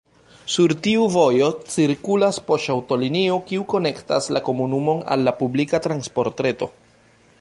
Sur tiu vojo cirkulas poŝtaŭtolinio, kiu konektas la komunumon al la publika transportreto.